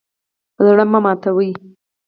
زړه مه ماتوئ